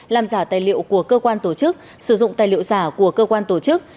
làm giả tài liệu của cơ quan tổ chức sử dụng tài liệu giả của cơ quan tổ chức